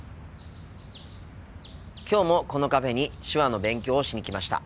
きょうもこのカフェに手話の勉強をしに来ました。